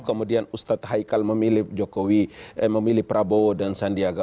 kemudian ustadz haikal memilih prabowo dan sandiaga